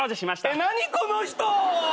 何この人！